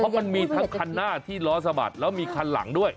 เพราะมันมีทั้งคันหน้าที่ล้อสะบัดแล้วมีคันหลังด้วย